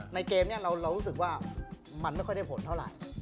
เกมนี้เรารู้สึกว่ามันไม่ค่อยได้ผลเท่าไหร่